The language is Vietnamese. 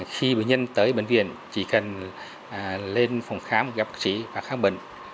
khi bệnh nhân tới bệnh viện chỉ cần lên phòng khám gặp bác sĩ và khám bệnh